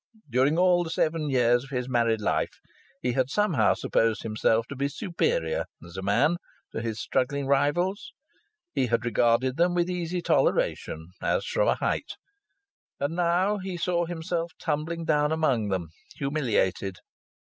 During all the seven years of his married life he had somehow supposed himself to be superior, as a man, to his struggling rivals. He had regarded them with easy toleration, as from a height. And now he saw himself tumbling down among them, humiliated.